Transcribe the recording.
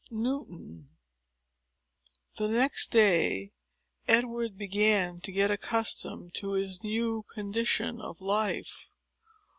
Chapter III The next day, Edward began to get accustomed to his new condition of life.